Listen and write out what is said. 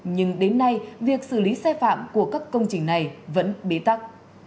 nhưng đến nay việc xử lý sai phạm của các công trình này vẫn bế tắc